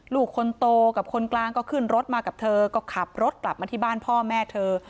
ลูกคนโตกับคนกลางก็ขึ้นรถมากับเธอก็ขับรถกลับมาที่บ้านพ่อแม่เธอ